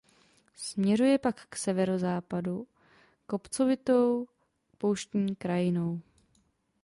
Směřuje pak k severozápadu kopcovitou pouštní krajinou.